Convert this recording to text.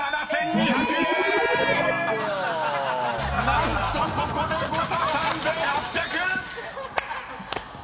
［何とここで誤差３，８００！］